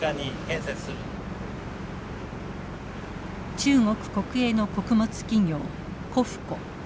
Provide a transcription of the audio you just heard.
中国国営の穀物企業「コフコ」。